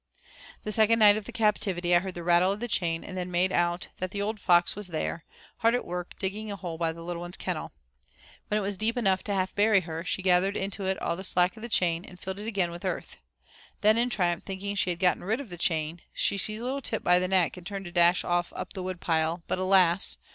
The second night of the captivity I heard the rattle of the chain, and then made out that the old fox was there, hard at work digging a hole by the little one's kennel. When it was deep enough to half bury her, she gathered into it all the slack of the chain, and filled it again with earth. Then in triumph thinking she had gotten rid of the chain, she seized little Tip by the neck and turned to dash off up the wood pile, but alas!